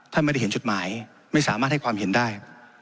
ไม่ได้เห็นจดหมายไม่สามารถให้ความเห็นได้